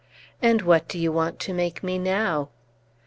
"And what do you want to make me now?"